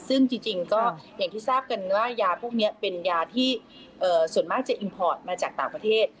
ซึ่งจริงก็อย่างที่ทราบกันว่ายาพวกนี้เป็นยาที่ส่วนมากจะอิมพอร์ตมาจากต่างประเทศ